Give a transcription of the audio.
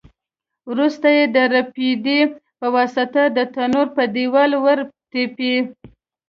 وروسته یې د رپېدې په واسطه د تنور په دېوال ورتپي.